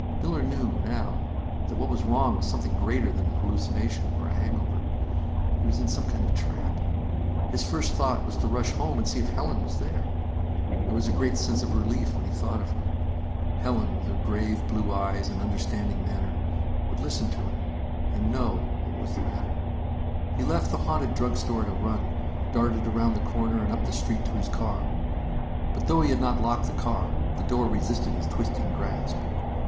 Miller knew, now, that what was wrong was something greater than a hallucination or a hangover. He was in some kind of trap. His first thought was to rush home and see if Helen was there. There was a great sense of relief when he thought of her. Helen, with her grave blue eyes and understanding manner, would listen to him and know what was the matter. He left the haunted drug store at a run, darted around the corner and up the street to his car. But, though he had not locked the car, the door resisted his twisting grasp.